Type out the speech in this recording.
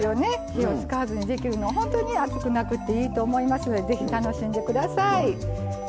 火を使わずにできるのは本当に暑くなくていいと思いますのでぜひ楽しんでください。